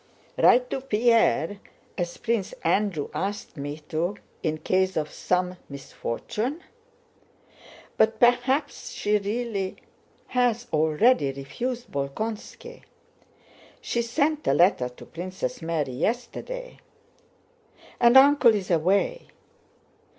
Write to Pierre, as Prince Andrew asked me to in case of some misfortune?... But perhaps she really has already refused Bolkónski—she sent a letter to Princess Mary yesterday. And Uncle is away...."